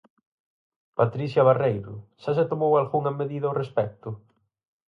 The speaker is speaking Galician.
Patricia Barreiro, xa se tomou algunha medida ao respecto?